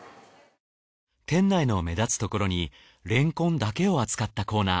店内の目立つところにれんこんだけを扱ったコーナー。